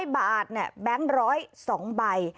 ๐บาทแบงค์๑๐๒ใบ